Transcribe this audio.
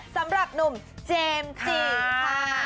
สำหรับหนุ่มเจมส์จีค่ะ